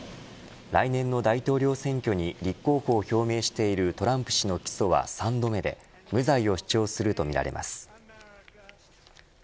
来年の大統領選挙に立候補を表明しているトランプ氏の起訴は３度目で無罪を主張するとみられます。